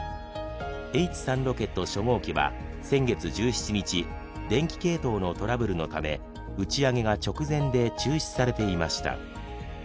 Ｈ３ロケット初号機は先月１７日、電気系統のトラブルのため、打ち上げが直前で中止されていました。